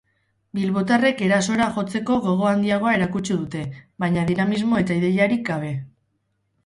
Bilbotarrek erasora jotzeko gogo handiagoa erakutsi dute, baina dinamismo eta ideiarik gabe.